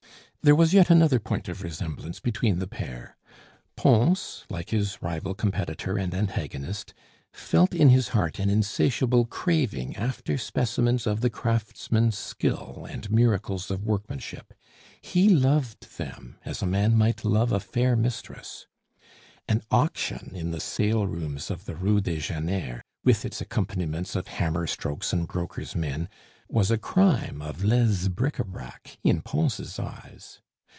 There was yet another point of resemblance between the pair; Pons, like his rival competitor and antagonist, felt in his heart an insatiable craving after specimens of the craftsman's skill and miracles of workmanship; he loved them as a man might love a fair mistress; an auction in the salerooms in the Rue des Jeuneurs, with its accompaniments of hammer strokes and brokers' men, was a crime of lese bric a brac in Pons' eyes.